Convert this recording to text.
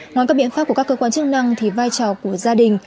ngoài các biện pháp của các cơ quan chức năng thì vai trò của gia đình